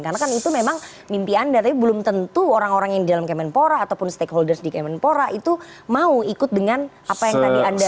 karena kan itu memang mimpi anda tapi belum tentu orang orang yang di dalam kemenpora ataupun stakeholders di kemenpora itu mau ikut dengan apa yang tadi anda sampaikan